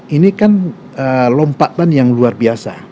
ini kan lompatan yang luar biasa